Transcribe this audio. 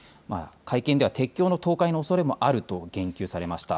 会見では鉄橋の倒壊のおそれもあると言及されました。